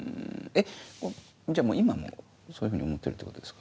えっじゃ今もそういうふうに思ってるってことですか？